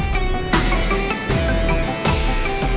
ditemenin sama mama